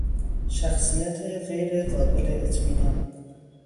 شخصیت غیرقابل اطمینان